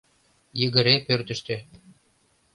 — Йыгыре пӧртыштӧ.